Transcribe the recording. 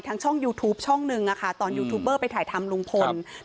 ทั้งช่องยูทูปช่องหนึ่งอ่ะค่ะตอนยูทูปเบอร์ไปถ่ายทำลุงพลครับ